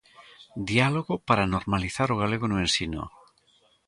Diálogo para normalizar o galego no ensino.